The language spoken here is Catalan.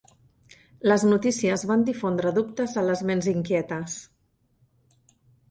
Les notícies van difondre dubtes a les ments inquietes.